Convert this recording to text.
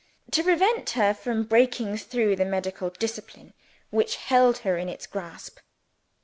to prevent her from breaking through the medical discipline which held her in its grasp.